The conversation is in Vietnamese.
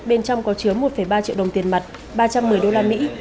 bên trong có chứa một ba triệu đồng tiền mặt ba trăm một mươi đô la mỹ